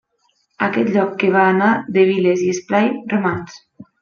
Aquest lloc que va anar de viles i esplai romans.